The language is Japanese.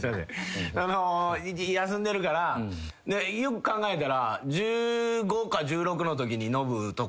休んでるからよく考えたら１５か１６のときにノブと。